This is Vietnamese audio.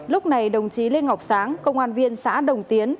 lúc này đồng chí lê ngọc sáng công an viên xã đồng tiến